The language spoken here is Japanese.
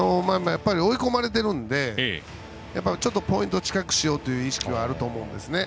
追い込まれているのでポイントを近くしようという意識はあると思うんですね。